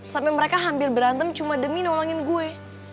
sampai mereka hampir berantem cuma demi nolongin gue